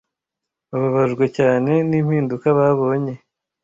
Bababajwe cyane nimpinduka babonye.